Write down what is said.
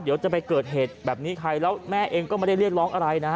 เดี๋ยวจะไปเกิดเหตุแบบนี้ใครแล้วแม่เองก็ไม่ได้เรียกร้องอะไรนะฮะ